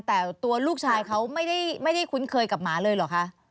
แต่ตัวลูกชายเขาไม่ได้คุ้นเคยกับหมาเลยเหรอคะ